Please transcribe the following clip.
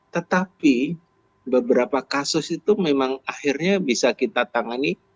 tetapi beberapa kasus itu memang akhirnya bisa kita tangani